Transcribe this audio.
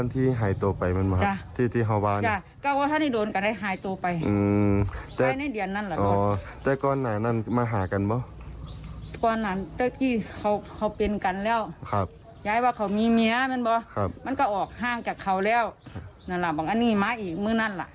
ที่หายตัวไปมันเปล่าที่ที่เขาบ้าน